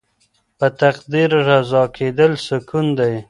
په تقدیر رضا کیدل سکون دی.